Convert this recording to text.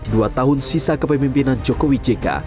dua tahun sisa kepemimpinan jokowi jk